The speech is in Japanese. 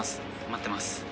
待ってます。